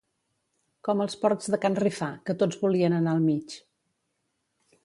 Com els porcs de can Rifà, que tots volien anar al mig.